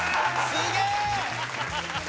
すげえ！